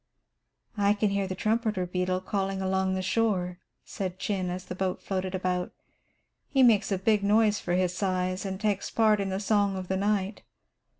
"I can hear the trumpeter beetle calling along the shore," said Chin, as the boat floated about. "He makes a big noise for his size, and takes his part in the song of the night.